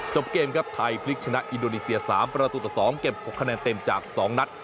จบเกมครับไทยพลิกชนะอินโดนีเซีย๓ประตูต่อ๒เก็บ๖คะแนนเต็มจาก๒นัด